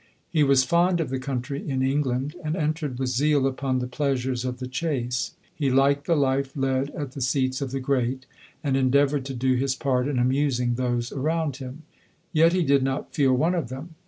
He was fond of the country in England, and entered with zeal upon the pleasures of the chace. He liked the life led at the seats of the great, and endeavoured to do his part in amusing the around him. Yet he did not feel one of them.